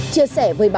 chia sẻ với bạn